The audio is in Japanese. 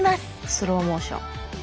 スローモーション。